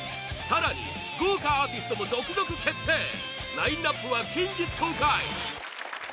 更に、豪華アーティストも続々決定ラインアップは近日公開！